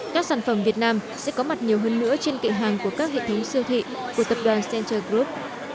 các sản phẩm việt nam sẽ có mặt nhiều hơn nữa trên kệ hàng của các hệ thống siêu thị của tập đoàn center group